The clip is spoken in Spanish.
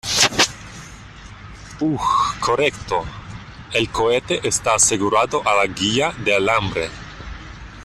Uh, correcto. El cohete esta asegurado a la guia de alambre .